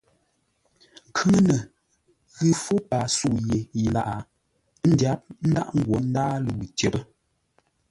Nkhʉŋənə ghʉ fó paa sə̌u yé yi lâʼ, ńdyáp ńdaghʼ ńgwó ńdǎa ləwʉ̂ tyəpə́.